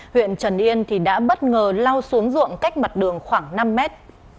huyện trần yên thì đã bất ngờ lao xuống ruộng cách mặt đường khoảng năm mét